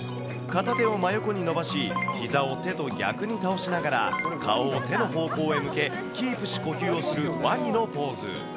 片手を真横に伸ばし、ひざを手と逆に倒しながら、顔を手の方向へ向け、キープし、呼吸をするワニのポーズ。